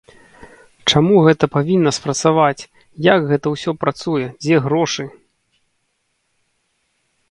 Чаму гэта павінна спрацаваць, як гэта ўсё працуе, дзе грошы?